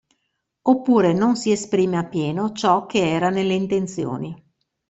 Oppure non si esprime a pieno ciò che era nelle intenzioni.